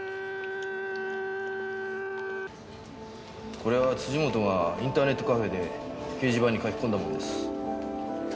これは本がインターネットカフェで掲示板に書き込んだものです。